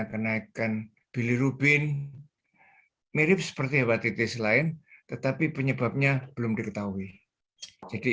kenaikan bilirubin mirip seperti hepatitis lain tetapi penyebabnya belum diketahui jadi